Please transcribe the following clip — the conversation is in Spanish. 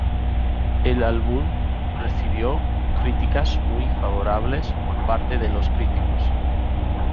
El álbum recibió críticas muy favorables por parte de los críticos.